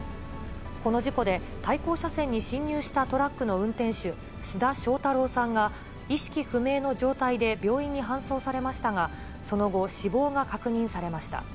この事故で、対向車線に進入したトラックの運転手、須田翔太郎さんが意識不明の状態で病院に搬送されましたが、その後、死亡が確認されました。